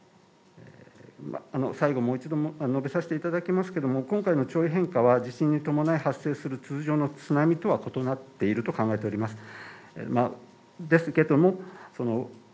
最後もう一度も述べさせていただきますけども今回の変化は地震に伴い発生する通常の津波とは異なっていると考えております